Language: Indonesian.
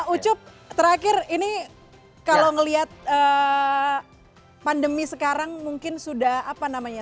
ucup terakhir ini kalau melihat pandemi sekarang mungkin sudah apa namanya